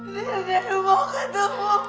nenek mau ketemu mama